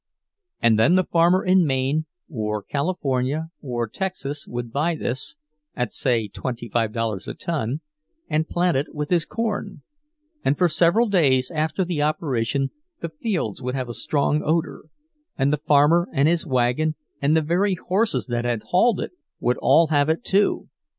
And then the farmer in Maine or California or Texas would buy this, at say twenty five dollars a ton, and plant it with his corn; and for several days after the operation the fields would have a strong odor, and the farmer and his wagon and the very horses that had hauled it would all have it too.